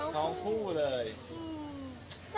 ท้องคู่เลยครับ